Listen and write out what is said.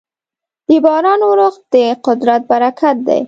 د باران اورښت د قدرت برکت دی.